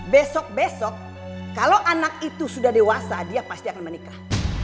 besok besok kalau anak itu sudah dewasa dia pasti akan menikah